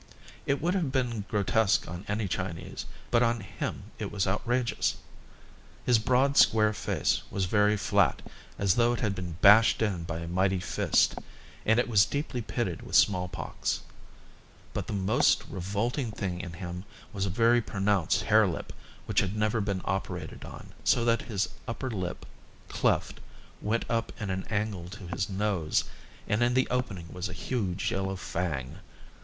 It would have been grotesque on any Chinese, but on him it was outrageous. His broad, square face was very flat as though it had been bashed in by a mighty fist, and it was deeply pitted with smallpox; but the most revolting thing in him was a very pronounced harelip which had never been operated on, so that his upper lip, cleft, went up in an angle to his nose, and in the opening was a huge yellow fang.